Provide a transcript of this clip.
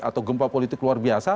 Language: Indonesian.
atau gempa politik luar biasa